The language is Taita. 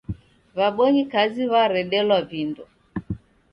W'abonyikazi w'aredelwa vindo